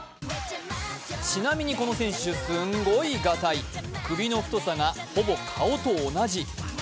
ちなみにこの選手、すんごいガタイ首の太さがほぼ顔と同じ。